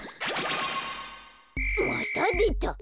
またでた。